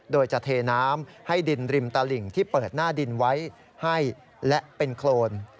โดยจะเทน้ำให้ดินริมตลิ่งที่เปิดหน้าดินไว้ให้และเป็นโครน